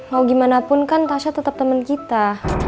mau gimana pun kan tasha tetep temen kita